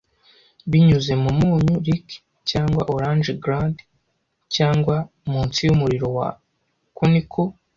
Binyuze mu munyu-lick cyangwa orange glade, cyangwa munsi yumuriro wa conical,